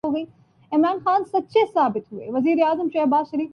تو یہ بھی ایک بند گلی ثابت ہو گی۔